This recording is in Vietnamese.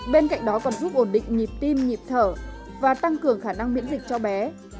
bên cạnh đó còn giúp ổn định nhịp tim nhịp thở và tăng cường khả năng miễn dịch cho bé